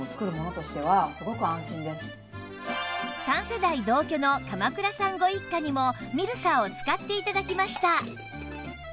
３世代同居の鎌倉さんご一家にもミルサーを使って頂きました